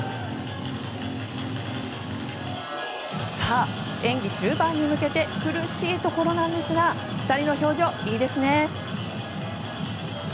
さあ、演技終盤に向けて苦しいところなんですが２人の表情、いいですね。